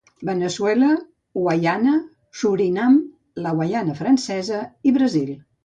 Veneçuela, Guaiana, Surinam, la Guaiana Francesa i Brasil.